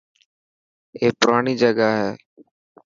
اي پراڻي جگاهي .